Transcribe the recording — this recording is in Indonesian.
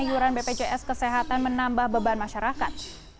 iuran bpjs kesehatan menambah beban masyarakat